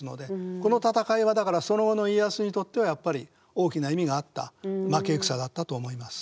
この戦いはだからその後の家康にとってはやっぱり大きな意味があった負け戦だったと思います。